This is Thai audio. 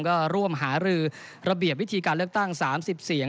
ก็ร่วมหารือระเบียบวิธีการเลือกตั้ง๓๐เสียง